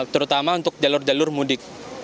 terutama untuk jalur jalur mudik